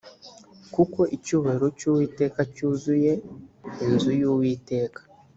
kuko icyubahiro cy uwiteka cyuzuye inzu y uwiteka